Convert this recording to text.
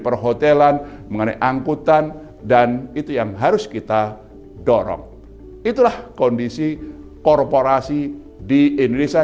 perhotelan mengenai angkutan dan itu yang harus kita dorong itulah kondisi korporasi di indonesia